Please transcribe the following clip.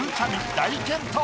大健闘。